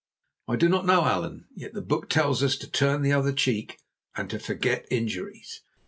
"I do not know, Allan. Yet the Book tells us to turn the other cheek and to forget injuries.